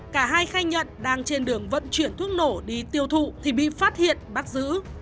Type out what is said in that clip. cả hai khai nhận đang trên đường vận chuyển thuốc nổ đi tiêu thụ thì bị phát hiện bắt giữ